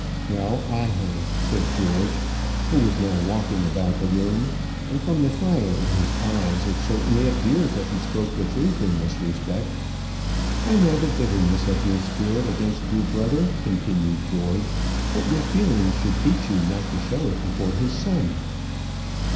"Well, I have," said George, who was now walking about the room; and from the fire in his eyes, it certainly appeared that he spoke the truth in this respect. "I know the bitterness of your spirit against your brother," continued George; "but your feelings should teach you not to show it before his son."